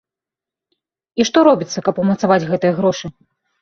І што робіцца, каб умацаваць гэтыя грошы?